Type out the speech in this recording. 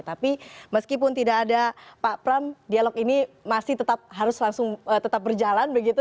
tapi meskipun tidak ada pak pram dialog ini masih tetap harus langsung tetap berjalan begitu